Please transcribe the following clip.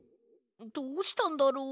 どうしたんだろ？